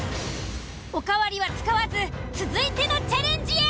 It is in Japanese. おかわりは使わず続いてのチャレンジへ。